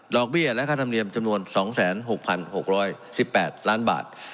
เบี้ยและค่าธรรมเนียมจำนวน๒๖๖๑๘ล้านบาท